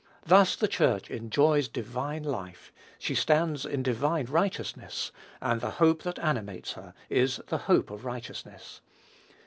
Thus the Church enjoys divine life; she stands in divine righteousness; and the hope that animates her is the hope of righteousness.